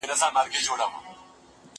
زه سينه سپين کړی دی!!